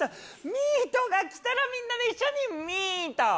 ミートが来たらみんなで一緒にミート！